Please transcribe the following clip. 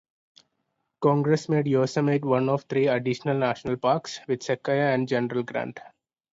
Congress made Yosemite one of three additional national parks, with Sequoia and General Grant.